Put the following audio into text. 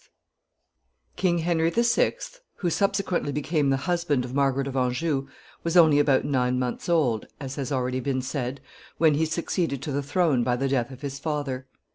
] King Henry the Sixth, who subsequently became the husband of Margaret of Anjou, was only about nine months old, as has already been said, when he succeeded to the throne by the death of his father.